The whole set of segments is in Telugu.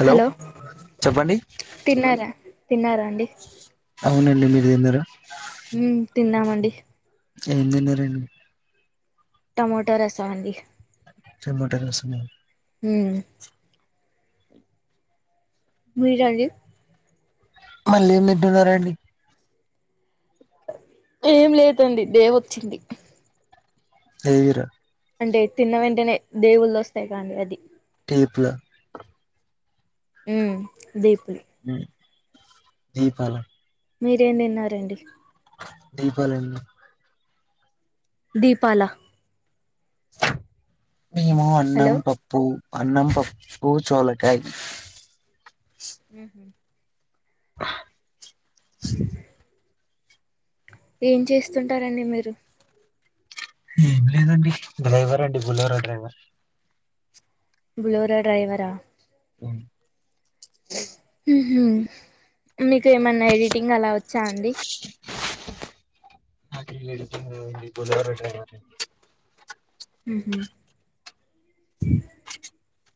హలో చెప్పండి తిన్నారా తిన్నారా అండి టన్ మీరదంద హ తిన్నామండి ంజనీరండి టమోటో రసా అండి చెమట లోస్తున్నాయి ఉ మీరండి అల్లెమ్ ఏం తింటున్నరండి ఏం లేదండి దేవొచ్చింది లేవిరా అంటే తిన్న వెంటనే దేవుళ్ళు వస్తాయి కాండి అది ఎప్పులా ఉ దీర్ ఉ దిపాల మీరేం తిన్నారండి దీపాలెన్నునై దీపాల మేము అన్నం హలో పప్పు అన్నం పప్పు చోలకాయి ఉహు అ ఏం చేస్తుంటారండి మీరు ఏం లేదండి డ్రైవర్ అండి బులోరా డ్రైవర్ బులోరా డ్రైవరా పోను ఉహు మీకు ఏమన్నా ఎడిటింగ్ అలా వచ్చా అండి నాకు ఈ ఎడిటింగ్ రావండి బులోరా డ్రైవర్ని ఈ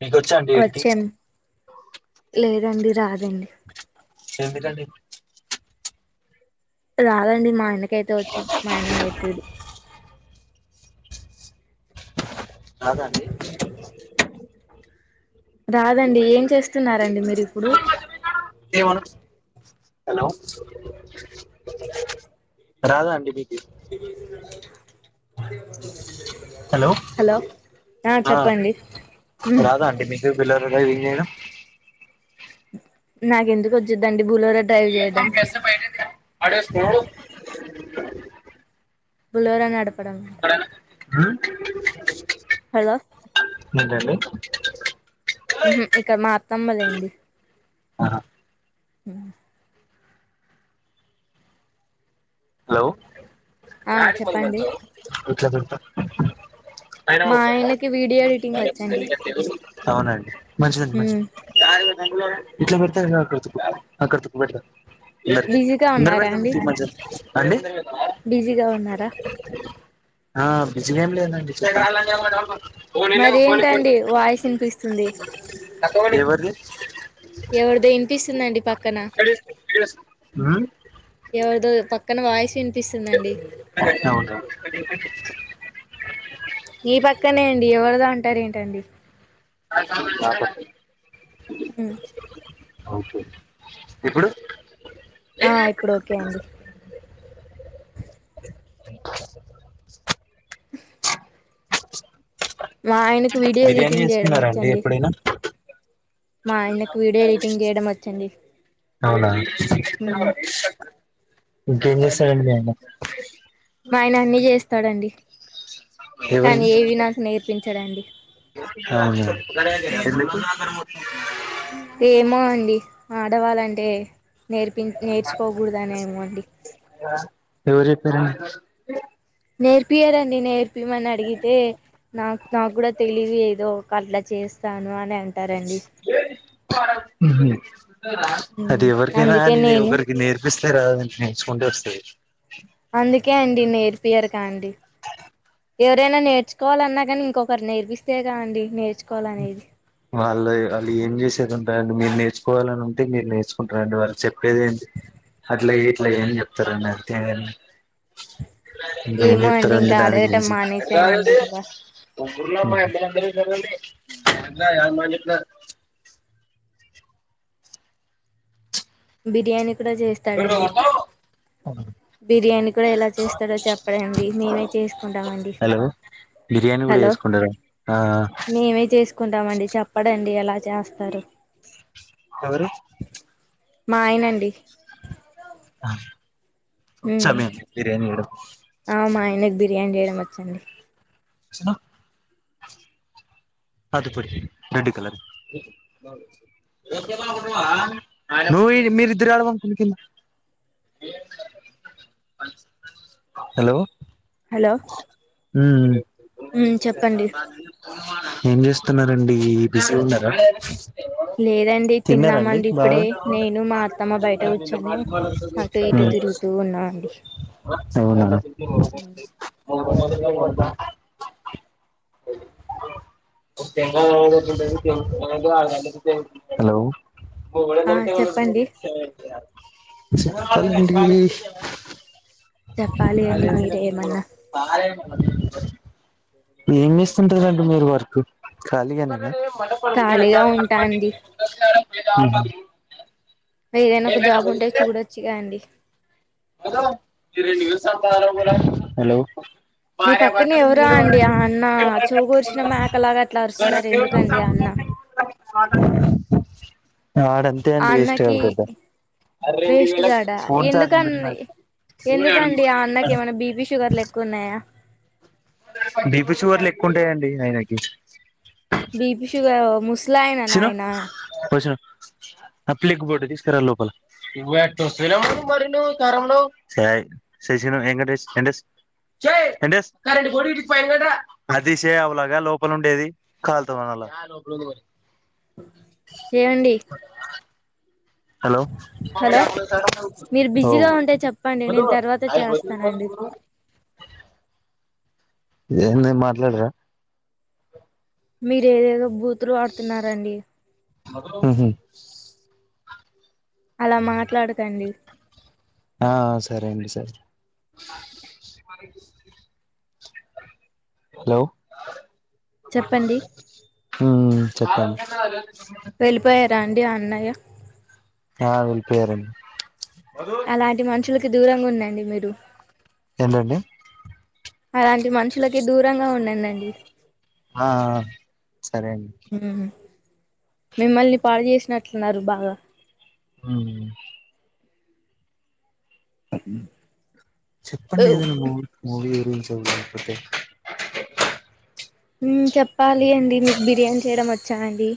మీకొచ్చా అండి ఏడిటింగ్ రండి రాదండి ఎందుకండి రాదండి మా ఆయనకైతే వచ్చు మా ఆయన నేర్పియడు రాద అండి రాదండి ఏం చేస్తున్నరండి మీరు ఇప్పుడు ఏమనకు హలో రాధా అండి బికిది ఏ హలో ఆ చెప్పండి బులోరా డ్రైవింగ్ చేయడం నాకెందుకు వచ్చుదండి బూలోర ఇ బస్త ప అడసు బులోరా నడు ఉ హలో ఏంటండీ ఉహు ఇక్కడ మాత్తమ్మలెండి ఉ ఆ చెప్పండి హలో ఆయన మా పోతావా? ఆయనకి వీడియో ఎడిటింగ్ వచ్చండి అవునండి మంచిదండి మంచిది ఉమ్ ఇట్లా పెడతాడుతు ఆకడతుకు పెడతా బిజీగా ందందర వర ఉన్నారా త అండి మజ బిజీగా ఉన్నారా ఆ బిజిగ ఏం లేనండి చెప్పండి మరి ఏంటండి వాయిస్ వినిపిస్తుంది ఎవరిది ఎవరిదో వినిపిస్తుందండి పక్కన ఇక్కడ తీసుకో, ఇక్కడ తీసుకో. ఉమ్, ఎవరి పక్కన వాయిస్ వినిపిస్తుందండి అత్తవుగా ఈ పక్కనే అండి ఎవరిదొ అంటారు ఏంటండి అ చెప్పు హ్మ్మ్ ఓకే ఇప్పుడు ఆ ఇప్పుడు ఓకే అండి అ ఆ మా ఆయనకు వీడియో బిర్యానీ ఎడిటింగ్ చేయడం చేసుకున్నారండి వచ్చండి ఎప్పుడైనా మా ఆయనకు వీడియో ఎడిటింగ్ చేయడం వచ్చండి అవునా ఉమ్ ఇంకేం చేస్తారంండి మీఆయన మా ఆయన అన్నిీ చేస్తాడండి ఎవరు కానీ ఏవి నాకు నేర్పించాడండి అహా ఎందుకు ఏమో అండి ఆడవళంటే నేర్పి నేర్చుకోకూడదనే ఏమో అండి ఎవరు చెప్పిరు నేర్పియారంండి నేర్పియమని అడిగితే నాకు నాకు కూడా తెలిదు ఏదో అట్లా చేస్తాను అని అంటారండి ఉహు అది ఉమ్ ఎవరికైనా అందుకే అని నే నేను ఒకరికి నేర్పిస్తా రాదండి నేర్చుకుంటే వస్తది అందుకే అండి నేర్పియరుకా అండి ఎవరైనా నేర్చుకోవాలన్నా కానీ ఇంకొకరు నేర్పిస్తే కాదండి నేర్చుకోవాలి అనేది వాళ్ళు వాళ్ళు ఏం చేసేది ఉంటారండి మీరు నేర్చుకోవాలని ఉంటే మీరు నేర్చుకుంటార అండి వాళ్ళు చెప్పేది ఏంటి అట్లా చెయ్ ఇట్ల చెయ్ అని చెప్తారండి అంతే గా ఆ ఇంకేం చెట్టరండి దానికి మించి మానేసానండి ఇంకా డి అ మాన్ బిర్యానీ కూడా చేస్తాడంండి బిర్యానీ కూడా ఎలా చేస్తాడో చెప్పడండి మేమే చేసుకుంటామఅండి హలో బిర్యానీ కూడా హలో చేసుకుంటారా ఆ మేమే చేసుకుంటామండి చెప్పడండి అలా చేస్తారు ఎవరు మాయనండి ఉ చ [inaudible] మిి బిర్యానీ ఆ మా ఆయనకి బిర్యానీ చేయడం వచ్చండి చిన అద పడి రెడ్ కలర్ నువ్ మీరిద్దరు ఆడవంకును కింద హలో హలో హ్మ్మ్ ఉమ్ చెప్పండి ఏం చేస్తున్నారండి బిజీ ఉన్నారా లేదండి తిన్నారండి తిన్నామండి బాగా ఇప్పుడే ఉమ్ నేను మా అత్తమ్మ బయట కూర్చొనే అటు ఇటు తిరుగుతూ ఉన్నా అండి అవున హలో ఆ చెప్పండి [inaudible] చెప్పాలి అళ అండి మీరే చిినకు ఏమన్నా తాల ఏం చేస్తుంటారండి మీరు వర్కు ఖాళీగానేనా ఖాళీగా ఉంటా ఉహు అండి ఏదైనా ఒక జాబ్ ఉంటే చూడొచ్చుగా అండి హలో మీ పక్కనే ఎవరా అండి ఆ అన్న చెవికొర్చిన మేకలాగా అట్లా అరుస్తున్నారు ఎందుకండి ఆ అన్న ఆ [inaudible] ఆడు అంతే ఆ అండి వేస్ట్ అన్నకి గాడు పెద్ద వేస్ట్ గాడా ఫోన్ చార్జి ఎందుకని ఎందుకండి ఆ అన్నకి ఏమన్నా బిపీ షుగర్లు ఎక్కువ ఉన్నాయా బిపి షూగర్లు ఎక్కువ ఉంటాయండి ఆయనకి బీపి షుగర్ ఆ ముసలా అయనా నాయనా పబ్లిక్ బోర్డు తీసుకురా లోపల సరి జైరామ ఎంకటేష్ ఎంకటేష్ వెంకటేష్ అది తిసేయ్ అవలగా లోపల ఉండేది కాలతోన రా లోపల ఉంది మరి ఏమండి హలో మీరు బిజీగా ఉంటే చెప్పండి నేను తర్వాత హలో చేస్తానండి వా ఇంగా ఎంది మాట్లాడరా మీరు ఏదేదో బూతులు వాడుతున్నారండి మ్మ్ అలా మాట్లాడకండి ఆ సరే అండి సరే హలో చెప్పండి మ్మ్ చెప్పండి వెళ్ళిపోయారా అండి ఆ అన్నయ్య ఆ వెళ్ళిపోయారండి అలాంటి మనుషులకి దూరంగా ఉండండి మీరు ఏంటండి అలాంటి మనుషులకి దూరంగా ఉండండి అండి ఆ సరే అండి మిమ్మల్ని పాడు చేసినట్లున్నారు బాగా ఉమ్ అ చెప్పండి ఏదైనా movie movie a reel so లేకపోతే మ్మ్ చెప్పాలి అండి మీకు బిర్యానీ చేయడం వచ్చా అండి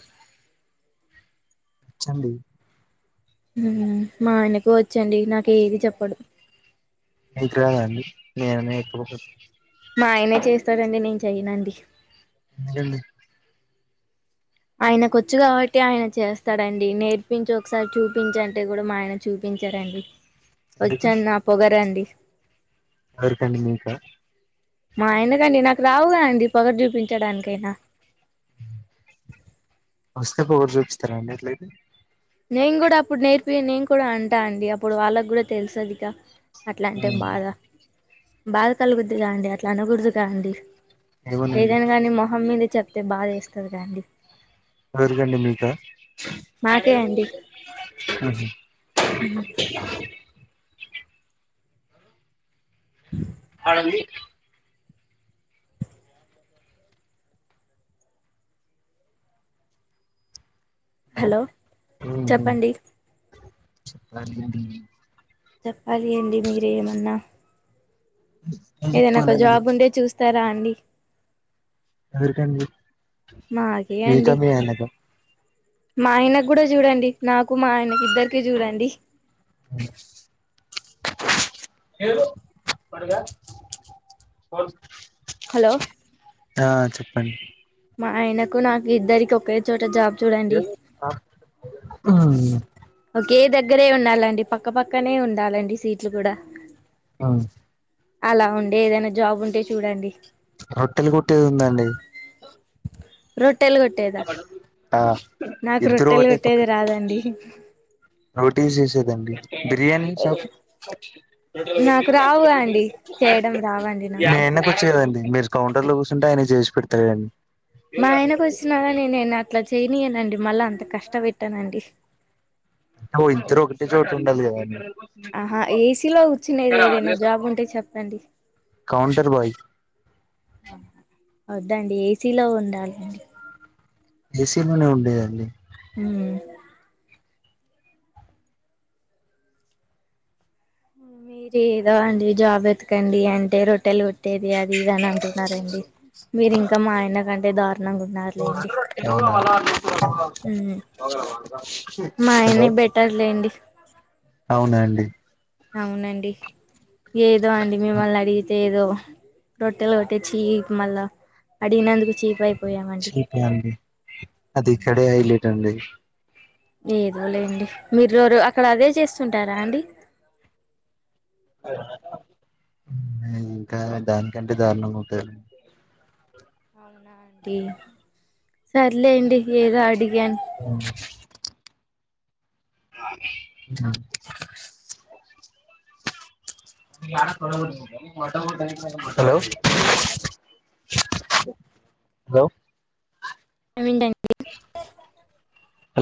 వచ్చాండి మా ఆయనకు వచ్చండి నాకు ఏది చెప్పాడు మీకు రాదండి మీ అయన నేర్పాకపొతే మా ఆయనే చేస్తారాండి నేను చెయ్యనండి అంతేలే [unintelligible] ఆయనకు వచ్చు కాబట్టి ఆయన చేస్తాడండి నేర్పించు ఒకసారి చూపించు అంటే కూడా మా ఆయన చూపి వచ్చాన్న నా పొగరండి ఎవరుకండి మీకా మా అయనకండి నాకు రావుగా అండి పొగరు చూపించడానికి అయిన [unintelligible] చూపిస్తారా అండి అట్లాయితే నేను కూడా అప్పుడు నేర్పి నేను కూడా అంటా అండి అప్పుడు వాళ్ళకు కూడా తెలుసేది గా అట్లాంటే ఉమ్, బాధ బాధ కలుగుద్దుగా అండి అట్లా అనకూడదుగా అండి ఏమోనండి ఏదన్న కానీ మొహం మీద చెప్తే బాద ఏస్తాది గా అండి ఎవరుకండి మీకా మాకే అండి మ్మ్ హ్మ్. అ అదాండి హలో ఉమ్ ఉమ్ చెప్పండి [inaudible] చెప్పాలి అండి మీరేమన్నా ఏం ఏదైనా ఒక చెప్పాలండి జాబ్ ఉండే చూస్తారా అండి ఎవరికండి మాకే మీకా అండి మీ ఆయనకా మా ఆయన కూడా చూడండి నాకు మా ఆయనకి ఇద్దరు కి జూడండి [inaudible] హలో ఆ చెప్పండి మా ఆయనకు నాకు ఇద్దరికి ఒకే చోట జాబ్ చూడండి ఆ కే దగ్గరే ఉండాలండి పక్కపక్కనే ఉండాలండి సీట్లు కూడా అ అలా ఉండే ఏదైనా జాబ్ ఉంటే చూడండి రొట్టెల్ కుట్టేది ఉందాండి రొట్టెలు కొటెద ఆ ఇద్దరు ఒకటే పక్క రాదండి రోటీస్ చేసేదండి బిర్యానీ షాప్ నాకు రావు అండి చేయడం రావండి మీ నాకు ఆయన వచ్చింది మీరు కౌంటర్ లో కూర్చుంటే ఆయన చేసి పెడతార అడి మా ఆయనకు వచ్చినారా నేనును అట్లా చేయన్యనండి మళ్ళా అంత కష్ట పెట్టానండి మీ ఇద్దరు ఒకటే చోటు ఉండాలి కదాండి ఆహా ఏసీలో కుచ్చినది ఏదైనా జాబ్ ఉంటే చెప్పండి కౌంటర్ బయ్ వద్దండి ఏసీలో ఉండాలండి ఏసీలోనే ఉండేదండి ఉమ్ మీరు ఏదో అండి జాబ్ ఎతకండి అంటే రొట్టెలుట్ట అది అది ఇది అని అంటున్నారండి మీరు ఇంకా మా ఆయన కంటే ద మ్మ్ హలో పెట్టర్లేండి అవునాండి అవునండి ఏదో అండి మిమ్మల్ని అడిగితే ఏదో రొట్టెలో కొట్టే చీ మళ్ళా అడిగినందుకు చీపయి చీప్ ఆ అండి అది ఇక్కడే హైలైట్ అండి ఏదో లేండి మీరు అక్కడ అదే చేస్తుంటారా అండి ఇంకా దానికంటే దారుణం అవుతు సర్లేడి ఏదో అడిగాన్ అ హలో హలో అమంట హలో